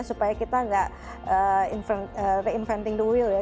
supaya kita enggak reinventing the wheel ya